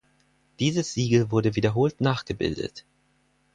Dieses Siegel wurde wiederholt nachgebildet.